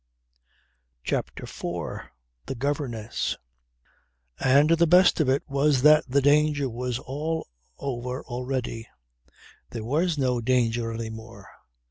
CHAPTER FOUR THE GOVERNESS And the best of it was that the danger was all over already. There was no danger any more.